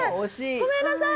ごめんなさい。